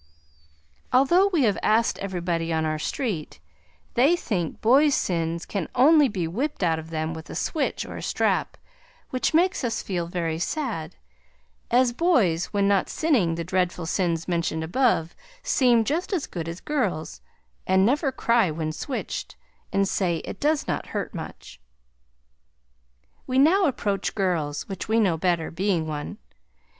Although we have asked everybody on our street, they think boys' sins can only be whipped out of them with a switch or strap, which makes us feel very sad, as boys when not sinning the dreadful sins mentioned above seem just as good as girls, and never cry when switched, and say it does not hurt much. We now approach girls, which we know better, being one.